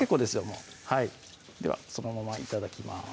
もうではそのまま頂きます